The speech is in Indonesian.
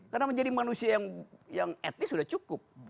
karena menjadi manusia yang etnis sudah cukup